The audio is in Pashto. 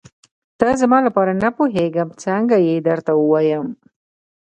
ته زما لپاره نه پوهېږم څنګه یې درته ووايم.